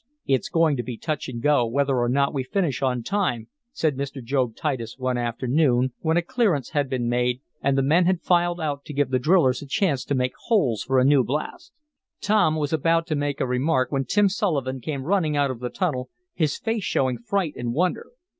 "It's going to be touch and go, whether or not we finish on time," said Mr. Job Titus one afternoon, when a clearance had been made and the men had filed out to give the drillers a chance to make holes for a new blast. Tom was about to make a remark when Tim Sullivan came running out of the tunnel, his face showing fright and wonder.